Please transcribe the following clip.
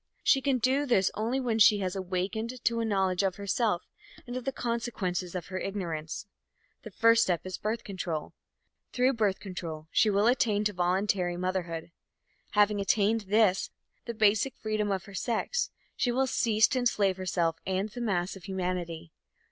She can do this only when she has awakened to a knowledge of herself and of the consequences of her ignorance. The first step is birth control. Through birth control she will attain to voluntary motherhood. Having attained this, the basic freedom of her sex, she will cease to enslave herself and the mass of humanity.